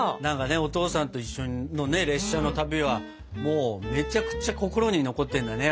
お父さんと一緒の列車の旅はもうめちゃくちゃ心に残ってるんだね。